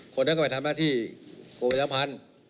คนเดียวก็ไปทำหน้าที่ประชาสัมพันธ์